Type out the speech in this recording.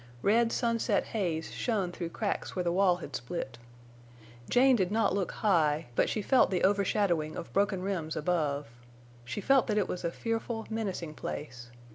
Red sunset haze shone through cracks where the wall had split. Jane did not look high, but she felt the overshadowing of broken rims above. She felt that it was a fearful, menacing place.